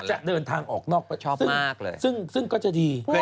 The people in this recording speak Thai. จะเดินทางออกนอกไปซึ่งก็จะดีใช่ป่ะชอบมากเลย